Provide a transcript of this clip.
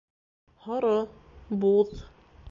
Һоро, буҙ